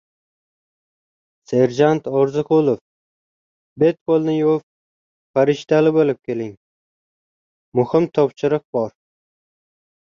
— Serjant Orziqulov, bet-qo‘lni yuvib farishtali bo‘lib keling, muhim topshiriq bor!